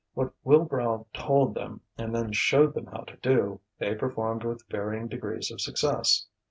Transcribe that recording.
What Wilbrow told them and then showed them how to do, they performed with varying degrees of success.